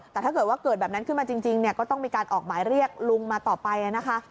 แต่ถ้าเกิดว่าเกิดแบบนั้นขึ้นมาจริงเนี่ยก็ต้องมีการออกหมายเรียกลุงมาต่อไปนะคะ